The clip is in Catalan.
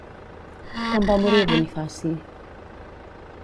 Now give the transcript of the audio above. Com va morir Bonifaci?